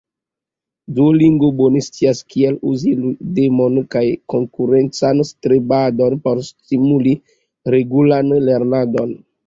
Duolingo bone scias, kiel uzi ludemon kaj konkurencan strebadon por stimuli regulan lernadon.